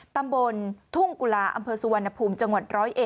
ตำบลทุ่งกุลาอสวนภูมิจังหวัด๑๐๑